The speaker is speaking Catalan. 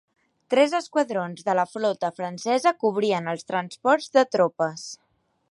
Tres esquadrons de la flota francesa cobrien els transports de tropes.